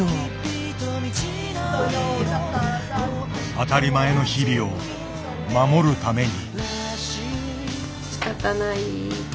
当たり前の日々を守るために。